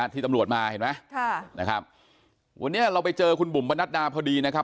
ที่ตำรวจมาเห็นไหมค่ะนะครับวันนี้เราไปเจอคุณบุ๋มประนัดดาพอดีนะครับ